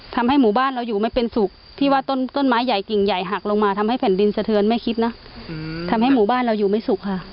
ทำให้หมู่บ้านเราอยู่ไม่เป็นสุขพี่ว่าต้นไม้ใหญ่กิ่งใหญ่หักลงมาทำให้แผ่นดินสะเทือนไม่คิดนะทำให้หมู่บ้านเราอยู่ไม่สุขค่ะ